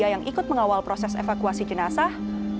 yang ikut mengawal proses evakuasi jenazah